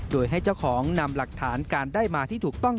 โดยให้เจ้าของนำหลักฐานการได้มาที่ถูกต้อง